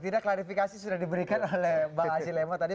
tidak klarifikasi sudah diberikan oleh bang asilema tadi